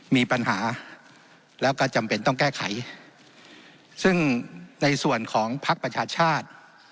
มีปัญหาแล้วก็จำเป็นต้องแก้ไขซึ่งในส่วนของพักประชาชาติ